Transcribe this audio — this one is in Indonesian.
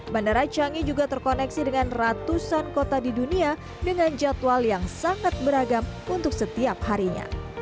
bandara canggih juga terkoneksi dengan ratusan kota di dunia dengan jadwal yang sangat beragam untuk setiap harinya